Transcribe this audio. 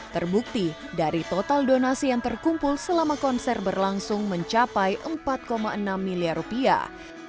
terbukti dari total donasi yang terkumpul selama konser berlangsung mencapai empat enam miliar rupiah